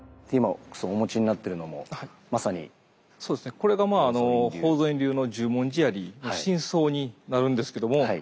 これがまあ宝蔵院流の十文字槍の真槍になるんですけども。